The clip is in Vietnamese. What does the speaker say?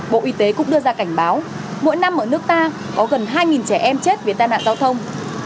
bộ y tế cũng đưa ra cảnh báo mỗi năm ở nước ta có gần hai trẻ em chết vì tai nạn giao thông